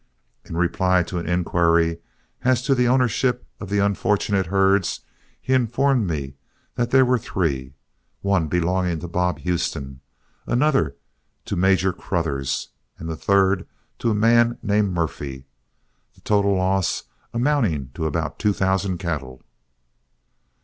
In reply to an inquiry as to the ownership of the unfortunate herds, he informed me that there were three, one belonging to Bob Houston, another to Major Corouthers, and the third to a man named Murphy, the total loss amounting to about two thousand cattle.